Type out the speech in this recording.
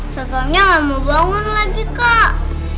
seramnya gak mau bangun lagi kak